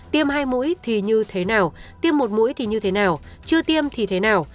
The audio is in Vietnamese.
tiêm hai mũi thì như thế nào tiêm một mũi thì như thế nào chưa tiêm thì thế nào